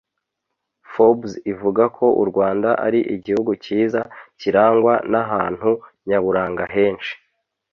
Forbes ivuga ko u Rwanda ari igihugu cyiza kirangwa n’ahantu nyaburanga henshi